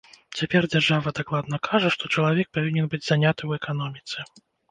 Цяпер дзяржава дакладна кажа, што чалавек павінен быць заняты ў эканоміцы.